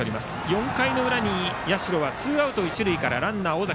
４回の裏に社はツーアウト一塁からランナー尾崎。